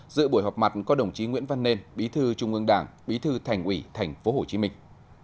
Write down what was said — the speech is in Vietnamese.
giữa buổi họp mặt có đồng chí nguyễn văn nên bí thư trung ương đảng bí thư thành ủy thành phố hồ chí minh